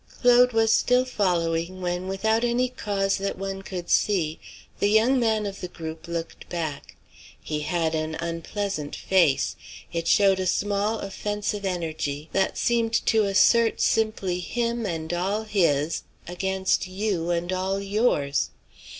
Claude was still following, when without any cause that one could see, the young man of the group looked back. He had an unpleasant face; it showed a small offensive energy that seemed to assert simply him and all his against you and all yours.